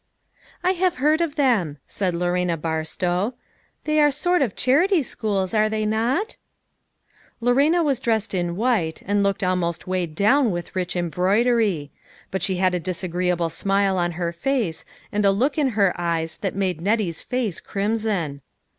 " I have heard of them," said Lorena Bar stow. "They are sort of charity schools, are they not?" 150 LITTLE FISHERS: AND THEIE NETS. Lorcna was dressed in white, and looked al most weighed down with rich embroidery; but she had a disagreeable smile on her face, and a look in her eyes that made Nettie's face crim son.